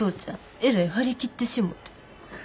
えらい張り切ってしもて。